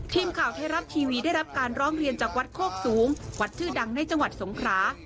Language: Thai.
ทีมข่าวไทยรัฐทีวีได้รับการร้องเรียนจากวัดโคกสูงวัดชื่อดังในจังหวัดสงครา